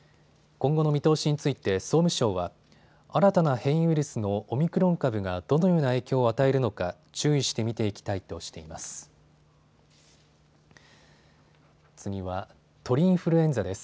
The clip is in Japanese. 今後の見通しについて総務省は新たな変異ウイルスのオミクロン株がどのような影響を与えるのか注意して見ていきたいとしています。